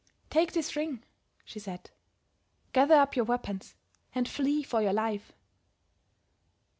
"'Take this ring,' she said, 'gather up your weapons and flee for your life.'